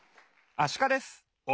アシカです。